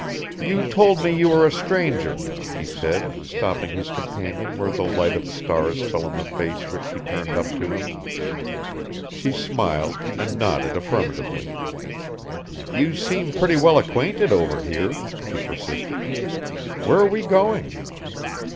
"You told me you were a stranger," he said, stopping his companion where the light of the stars fell on the face which she turned up to him. She smiled, and nodded affirmatively. "You seem pretty well acquainted over here," he persisted. "Where are we going?"